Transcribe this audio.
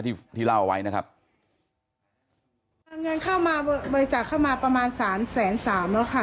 ที่ที่เล่าไว้นะครับเงินเข้ามาบริจาคเข้ามาประมาณสามแสนสามแล้วค่ะ